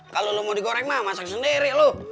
kalau lo mau digoreng mah masak sendiri loh